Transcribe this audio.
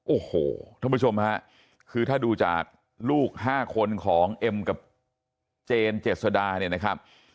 โอ้โหท่านผู้ชมนะฮะคือถ้าดูจากลูก๕คนของเอ็มกับเจนเจสดา